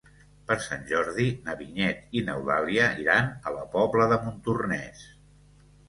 Per Sant Jordi na Vinyet i n'Eulàlia iran a la Pobla de Montornès.